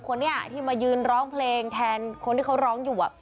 คนนี้ที่มายืนร้องเพลงแทนคนที่เขาร้องอยู่